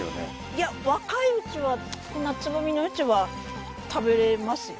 いや若いうちはこんなつぼみのうちは食べれますよ